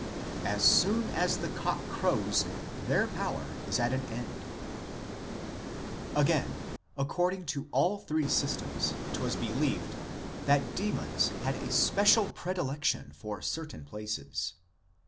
As soon as the cock crows their power is at an end (Midr. Bereshith Eabba, c. 36). 2 Again, according to all three systems, it was believed that demons had a special predilection for certain places.